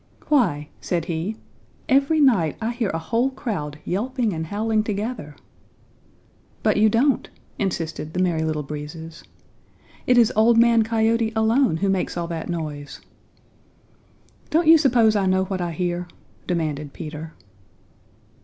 "Why," said he, "every night I hear a whole crowd yelping and howling together." "But you don't!" insisted the Merry Little Breezes. "It is Old Man Coyote alone who makes all that noise." "Don't you suppose I know what I hear?" demanded Peter.